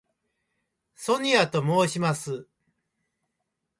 ソニアと申します。